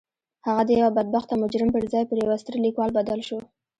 هغه د یوه بدبخته مجرم پر ځای پر یوه ستر لیکوال بدل شو